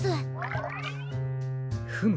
フム。